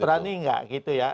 berani gak gitu ya